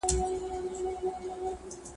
خلک د ارغنداب سیند د خوندیتوب لپاره هڅې کوي.